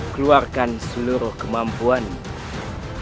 keluarkan seluruh kemampuanmu